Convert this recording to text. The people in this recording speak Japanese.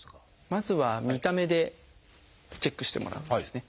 まずは見た目でチェックしてもらうんですね。